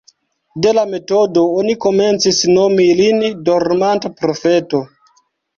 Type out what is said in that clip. De la metodo oni komencis nomi lin dormanta profeto.